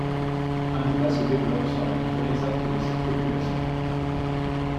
Un débat se développe sur la nature exacte de cette population.